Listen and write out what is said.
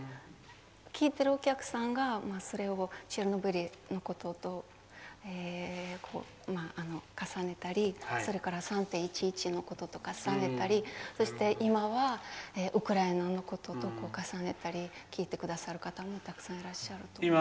聴いているお客さんがそれをチェルノブイリのことと重ねたりそれから３・１１のことと重ねたりそして今はウクライナのことと重ねたりして聴いてくださる方も、たくさんいらっしゃると思います。